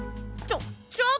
ちょっ！？